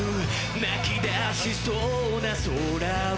泣き出しそうな空を